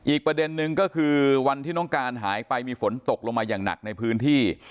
ประเด็นนึงก็คือวันที่น้องการหายไปมีฝนตกลงมาอย่างหนักในพื้นที่